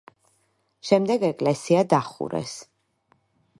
შემდეგ ეკლესია დახურეს.